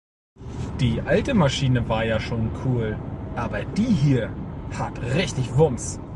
Die alte Maschine war ja schon cool, aber die hier hat richtig Wumms.